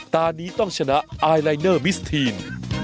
ตอนนี้ต้องชนะไอลายเนอร์มิสทีน